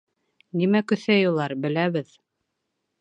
Нимә көҫәй улар — беләбеҙ!